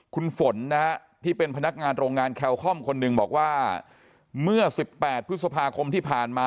คุณฝนนะฮะที่เป็นพนักงานโรงงานแคลคอมคนหนึ่งบอกว่าเมื่อ๑๘พฤษภาคมที่ผ่านมา